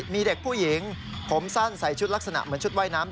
มีเด็กผู้หญิงผมสั้นใส่ชุดลักษณะเหมือนชุดว่ายน้ำ